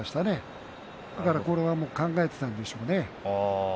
だからこれは考えていたんでしょうね。